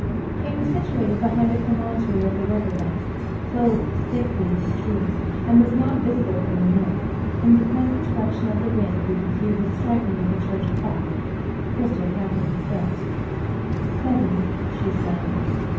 It was situated behind a promontory of the river bank, clothed thickly with trees, and was not visible from the mill. In the present direction of the wind, we could hear the striking of the church clock. Cristel counted the strokes. "Seven," she said.